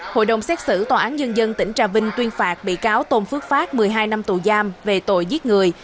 hội đồng xét xử tòa án nhân dân tỉnh trà vinh tuyên phạt bị cáo tôn phước phát một mươi hai năm tù giam về tội giết người